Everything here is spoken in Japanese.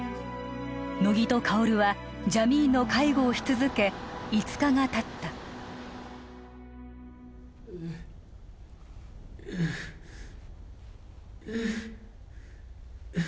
乃木と薫はジャミーンの介護をし続け５日がたったううっうっううっ